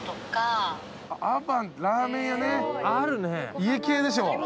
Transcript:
家系でしょ。